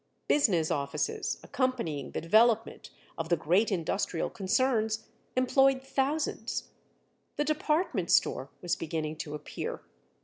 Business offices, accompanying the development of the great industrial concerns, employed thousands. The department store was beginning to appear.